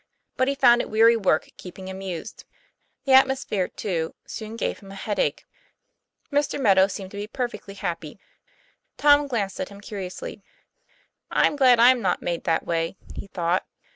But he found it weary work keeping amused. The atmosphere, too, soon gave him a headache. Mr. Meadow seemed to be perfectly happy. Tom glanced at him curiously. "I'm glad I'm not made that way," he thought.